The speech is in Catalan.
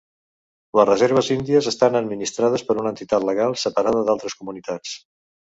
Les reserves índies estan administrades per una entitat legal separada d'altres comunitats.